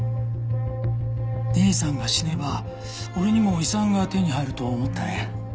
姉さんが死ねば俺にも遺産が手に入ると思ったね。